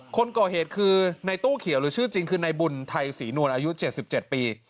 คนก่อเหตุคือในตู้เขียวหรือชื่อจริงคือในบุญไทยศรีนวลอายุ๗๗ปี